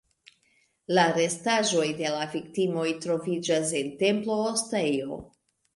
La restaĵoj de la viktimoj troviĝas en templo-ostejo.